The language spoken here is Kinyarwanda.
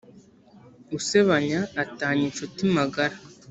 usebanya atanya incuti magara